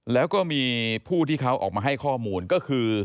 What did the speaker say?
แล้วก็มีผู้ที่เขาออกมาให้ข้อมูลก็คือ